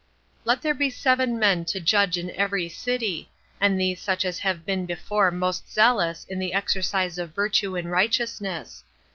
19 14. Let there be seven men to judge in every city, 20 and these such as have been before most zealous in the exercise of virtue and righteousness.